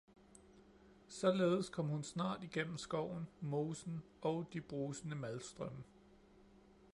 Således kom hun snart igennem skoven, mosen og de brusende malstrømme.